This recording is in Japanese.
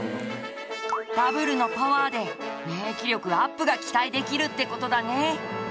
ダブルのパワーで免疫力アップが期待できるって事だね！